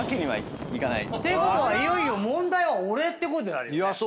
てことはいよいよ問題は俺ってことになるよね。